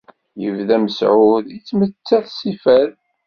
Yebda Mesεud yettmettat s fad.